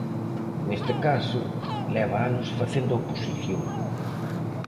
Neste caso, leva anos facendo oposición.